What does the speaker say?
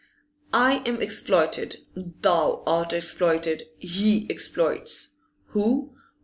I am exploited, thou art exploited, he exploits! Who?